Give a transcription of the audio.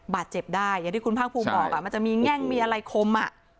บาดเจ็บได้อย่างที่คุณภาคภูมิบอกมันจะมีแง่งมีอะไรคม